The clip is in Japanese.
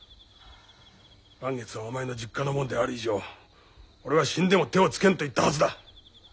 嵐月はお前の実家のものである以上俺は死んでも手をつけんと言ったはずだ。